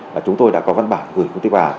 và chúng tôi đã có văn bản gửi quốc tế bắc hà